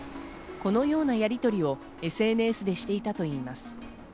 このようなやりとりをＳＮＳでしていたといいます。